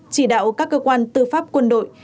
chỉ đạo các cơ quan tư pháp quân đội